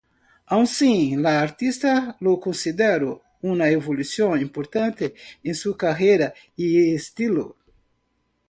Aun así, la artista lo considero una evolución importante en su carrera y estilo.